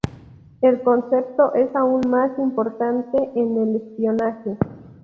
El concepto es aún más importante en el espionaje.